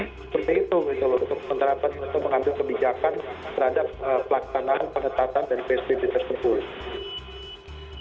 untuk penerapan atau mengambil kebijakan terhadap pelaksanaan pengetatan dan prestasi tersebut